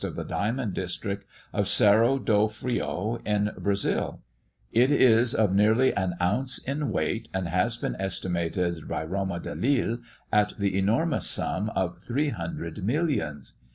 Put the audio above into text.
of the diamond district of Serro do Frio, in Brazil: it is of nearly an ounce in weight, and has been estimated by Roma de l'Isle at the enormous sum of 300 millions.